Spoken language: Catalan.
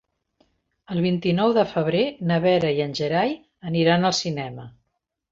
El vint-i-nou de febrer na Vera i en Gerai aniran al cinema.